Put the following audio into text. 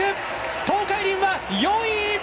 東海林は４位！